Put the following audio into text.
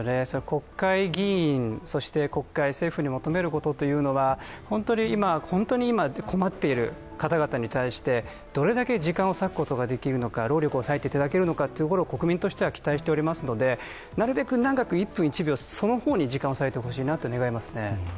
国会議員、そして国会、政府に求めることというのは本当に今、困っている方々に対してどれだけ時間を割くことができるのか、労力を割いていただけるのかということを国民は期待していますのでなるべく長く１分１秒、その方に時間を割いてほしいなと願いますね。